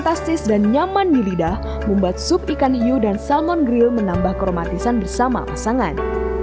rasanya smooth enak banget dan cocok untuk dihidangkan